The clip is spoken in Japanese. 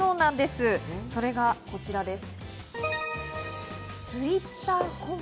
それがこちらです。